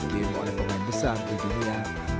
dan juga kegiatan dari pembuat game oleh pemain besar di dunia